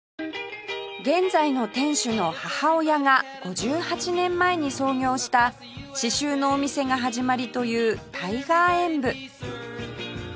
現在の店主の母親が５８年前に創業した刺繍のお店が始まりというタイガーエンブ